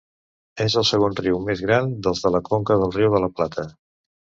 És el segon riu més gran dels de la conca del Riu de la Plata.